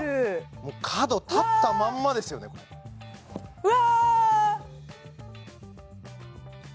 もう角立ったまんまですよねうわ